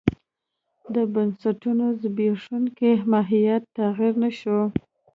د بنسټونو زبېښونکی ماهیت تغیر نه شو.